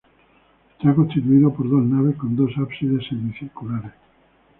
Está constituido por dos naves con dos ábsides semicirculares.